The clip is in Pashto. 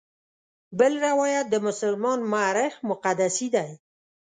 بل روایت د مسلمان مورخ مقدسي دی.